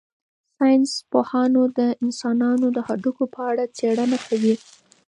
ساینس پوهانو د انسانانو د هډوکو په اړه څېړنه کړې.